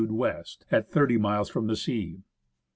W., at thirty miles from the sea.